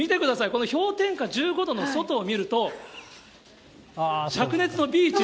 この氷点下１５度の外を見ると、灼熱のビーチ。